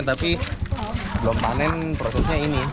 tapi belum panen prosesnya ini